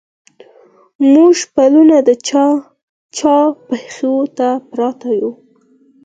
موږه پلونه د چا، چا پښو ته پراته يو